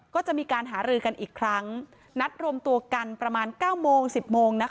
ก็จะมีการหารือกันอีกครั้งนัดรวมตัวกันประมาณ๙โมง๑๐โมงนะคะ